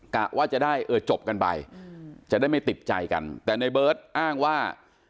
กะว่าจะได้เออจบกันไปจะได้ไม่ติดใจกันแต่ในเบิร์ตอ้างว่า